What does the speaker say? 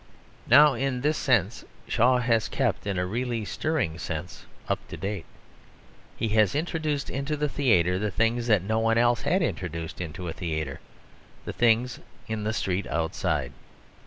Now in this sense Shaw has kept in a really stirring sense up to date. He has introduced into the theatre the things that no one else had introduced into a theatre the things in the street outside.